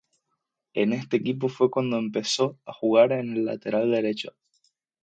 En este equipo fue cuando empezó a jugar en el lateral derecho.